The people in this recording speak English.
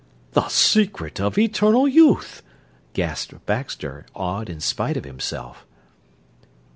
"The secret of eternal youth!" gasped Baxter, awed in spite of himself.